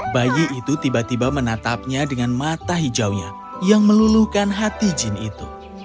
bayi itu tiba tiba menatapnya dengan mata hijaunya yang meluluhkan hati jin itu